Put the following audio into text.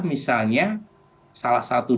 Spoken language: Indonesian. misalnya salah satu